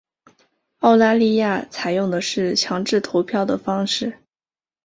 澳大利亚采用的是强制投票的方式。